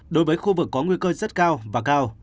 đối với khu vực có nguy cơ rất cao và cao